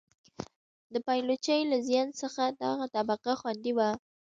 د پایلوچۍ له زیان څخه دغه طبقه خوندي وه.